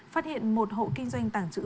phát hiện một hộ kinh doanh tàng trữ